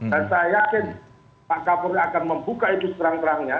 dan saya yakin pak kapolri akan membuka itu seterang terangnya